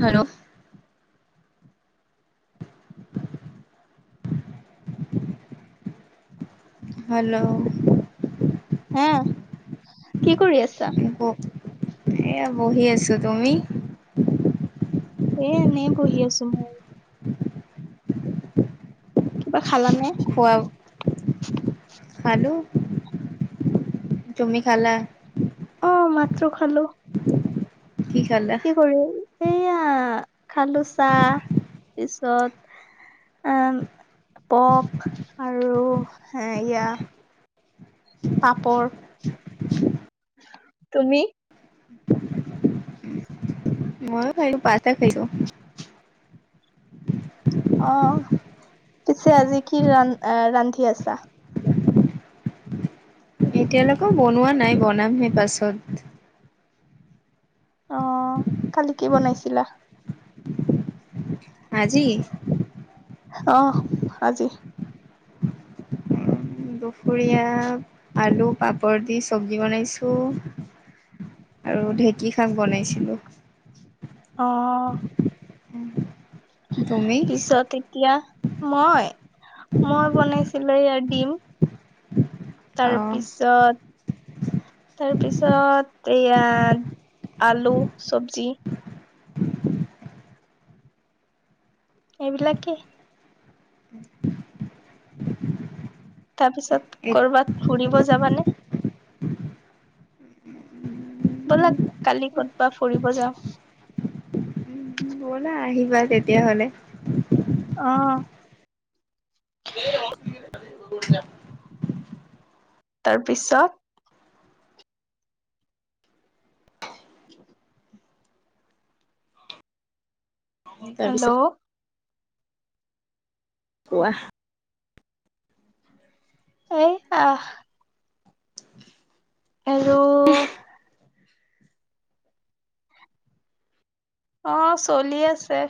Hello hello হা কি কৰি আছ বিকু এয়া বহি আছো তুমি এ এনেই পহি আছো মই কিবা খালা নে খোৱা খালো টোমি খালা অ মাত্ৰ খালো কি খালা কি কৰি এইয়া খালো চা পিছত আহ পপ আৰু এয়া পাপৰ তুমি মই খাই পচা খাইছো অ পিছে আজি কি ৰা আহ ৰান্ধি আছা এতিয়ালৈকে বনোৱা নাই বনাম হে পাছত অ কালি কি বনাইছিলা হজি আহ আজি দুপৰীয়া আলু পাপৰ দি চব্জি বনাইছোঁ আৰু ঢেঁকী শাক বনাইছিলোঁ অ উম পিছত এতিয়া মই মই বনাইছিলো লয় দিম তাৰ আহ পিছত তাৰপিছত এয়া আলু চবজি এইবিলাকে তাৰ পিছত কৰবাত ফুৰিব যাবানে ব'লা কালি কতবাত ফুৰিব যাও ব'লা আহিবা তেতিয়া হ'লে আহ [inaudible] তাৰ পিছত হেল্ল' তাৰপিছত কৱাহ এ আহ [inaudible] হেল্ল', অহ ', চলি আছে।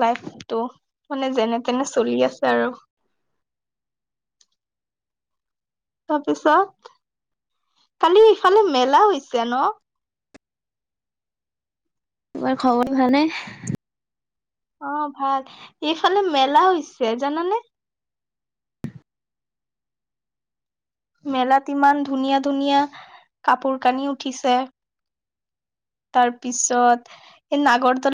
লাইফতটো মানে যেনে তেনে চলি আছে আৰু। তাৰপিছত কালি ইফালে মেলা হৈছে ন? তোমাৰ খবৰ ভাল নে? অহ ', ভাল এইফালে মেলা হৈছে জানানে? মেলাত ইমান ধুনীয়া - ধুনীয়া কাপোৰ কানি উঠিছে তাৰপিছত এই নাগৰদল।